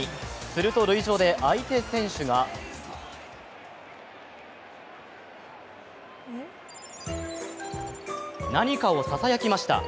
すると塁上で相手選手が何かをささやきました。